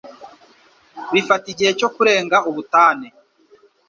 Bifata igihe cyo kurenga ubutane